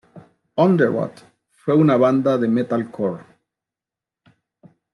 Underoath fue una banda de metalcore.